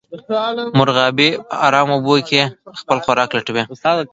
مرغابۍ په ارامو اوبو کې خپل خوراک لټوي